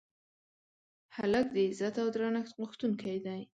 هلک د عزت او درنښت غوښتونکی دی.